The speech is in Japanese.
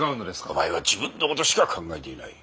お前は自分の事しか考えていない。